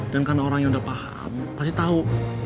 dan karena orang yang udah paham pasti tau